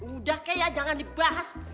udah kayak ya jangan dibahas